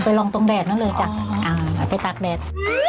ลองตรงแดดนั่นเลยจ้ะไปตากแดด